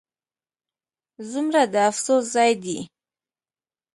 ځومره د افسوس ځاي دي